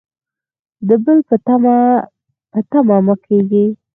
د بل په تمه مه کیږئ